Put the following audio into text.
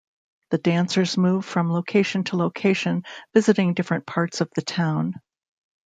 The dancers move from location to location, visiting different parts of the town.